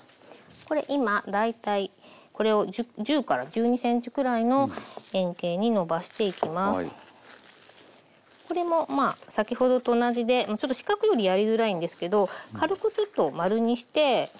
これ今大体これをこれもまあ先ほどと同じでちょっと四角よりやりづらいんですけど軽くちょっと丸にして。